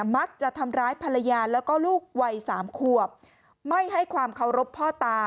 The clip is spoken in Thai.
มักจะทำร้ายภรรยาแล้วก็ลูกวัยสามขวบไม่ให้ความเคารพพ่อตา